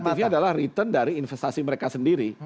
motifnya adalah return dari investasi mereka sendiri